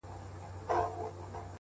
زه د تورسترگو سره دغسي سپين سترگی يمه-